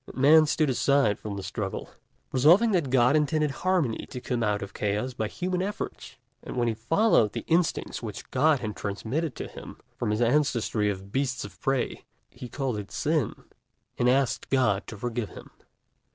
And Man stood aside from the struggle, resolving that God intended harmony to come out of chaos by human efforts. And when he followed the instincts which God had transmitted to him from his ancestry of beasts of prey, he called it Sin, and asked God to forgive him.